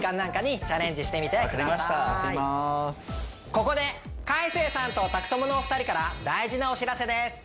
ここで海青さんと宅トモのお二人から大事なお知らせです